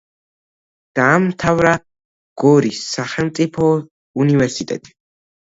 დაამთავრა გორის სახელმწიფო უნივერსიტეტი.